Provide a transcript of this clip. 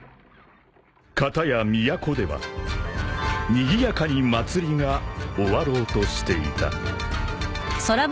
［にぎやかに祭りが終わろうとしていた］